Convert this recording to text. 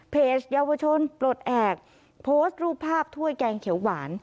เยาวชนปลดแอบโพสต์รูปภาพถ้วยแกงเขียวหวาน